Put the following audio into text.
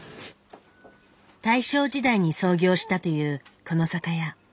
大正時代に創業したというこの酒屋。